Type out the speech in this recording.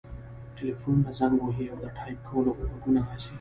ټیلیفونونه زنګ وهي او د ټایپ کولو غږونه راځي